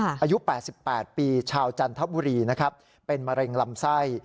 อายุ๘๘ปีชาวจันทบุรีนะครับเป็นมะเร็งลำไส้